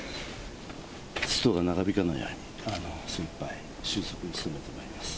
ストが長引かないように、精いっぱい収束に努めてまいります。